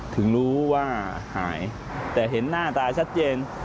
ถึงรู้ว่าหายแต่เห็นหน้าตาชัดเจน